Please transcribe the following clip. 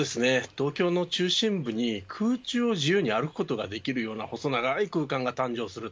東京の中心部に空中を自由に歩くことができるような細長い空間が誕生する。